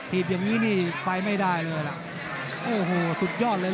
ีบอย่างนี้นี่ไปไม่ได้เลยล่ะโอ้โหสุดยอดเลย